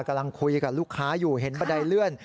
กำลังคุยกับลูกค้าอยู่เห็นบันไดเลื่อน